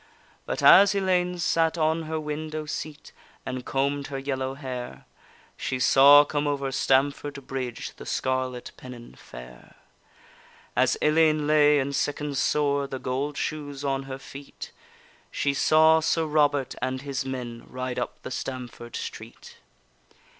But as Ellayne sat on her window seat And comb'd her yellow hair, She saw come over Stamford bridge The scarlet pennon fair. As Ellayne lay and sicken'd sore, The gold shoes on her feet, She saw Sir Robert and his men Ride up the Stamford street.